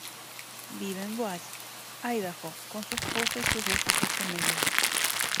Vive en Boise, Idaho con su esposa y sus dos hijos gemelos.